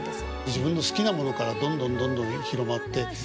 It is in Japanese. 自分の好きなものからどんどんどんどん広まって。